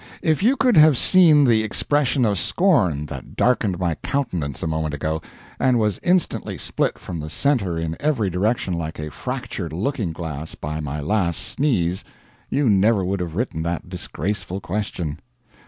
If you could have seen the expression of scorn that darkened my countenance a moment ago, and was instantly split from the center in every direction like a fractured looking glass by my last sneeze, you never would have written that disgraceful question.